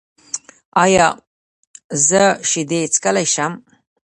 ایا زه شیدې څښلی شم؟